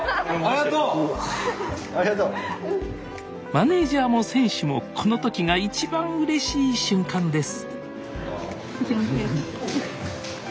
マネージャーも選手もこの時が一番うれしい瞬間です